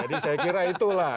jadi saya kira itulah